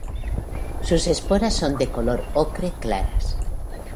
Sus esporas son de color ocre claras.